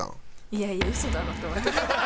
いやいやウソだろって。